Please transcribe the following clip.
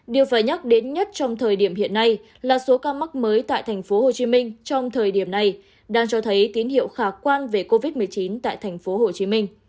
điều phải nhắc đến nhất trong thời điểm hiện nay là số ca mắc mới tại tp hcm trong thời điểm này đang cho thấy tín hiệu khả quan về covid một mươi chín tại tp hcm